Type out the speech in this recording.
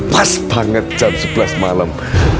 pas banget jam sebelas malam